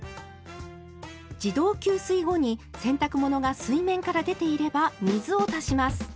自動給水後に洗濯物が水面から出ていれば水を足します。